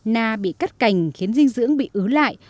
na bị cắt cành khiến dinh dưỡng bị ứa lại